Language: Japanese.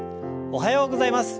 おはようございます。